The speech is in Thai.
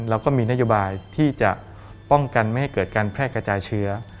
เราก็มีนโยบายที่จะป้องกันไม่ให้เกิดการแพร่กระจายเชื้อ